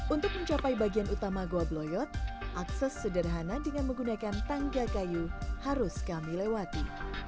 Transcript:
untuk mencapai bagian utama goa bloyot akses sederhana dengan menggunakan tangga kayu harus kami lewati